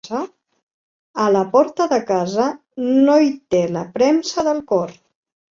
A la porta de casa no hi té la premsa del cor.